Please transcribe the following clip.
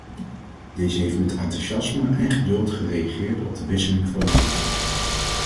Deze heeft met enthousiasme en geduld gereageerd op de wisseling van munten.